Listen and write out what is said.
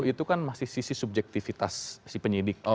itu kan masih sisi subjektivitas si penyidik